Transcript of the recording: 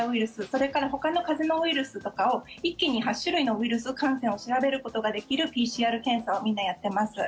それからほかの風邪のウイルスとかを一気に８種類のウイルス感染を調べることができるＰＣＲ検査をみんなやってます。